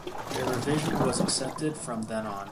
Their revision was accepted from then on.